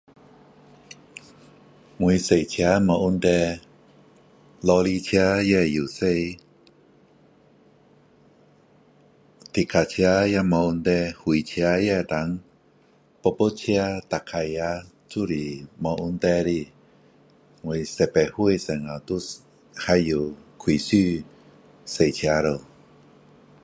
我驾车没问题罗里车也会驾坦克车也没问题火车也能波波车骑脚车那就是没问题的我十八岁时候就还有开始驾车了